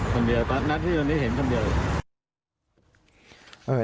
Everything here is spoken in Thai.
คนเดียวนัดที่วันนี้เห็นคนเดียว